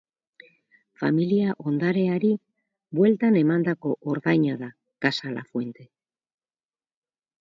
Familia ondareari bueltan emandako ordaina da Casa Lafuente.